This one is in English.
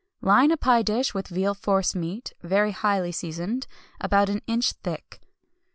Line a pie dish with veal force meat, very highly seasoned, about an inch thick.